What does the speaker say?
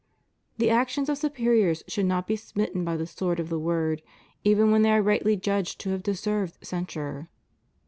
The actions of superiors should not be smitten by the sword of the word, even when they are rightly judged to have deserved censure."